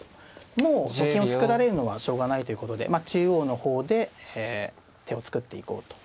もうと金を作られるのはしょうがないということで中央の方で手を作っていこうと。